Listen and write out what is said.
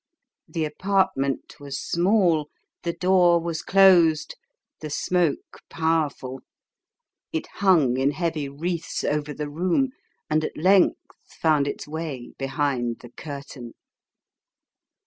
The apartment was small, the door \vas closed, the smoke powerful: it hung in heavy wreaths over the room, and at length found its way behind the curtain.